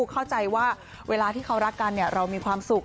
เข้าใจว่าเวลาที่เขารักกันเรามีความสุข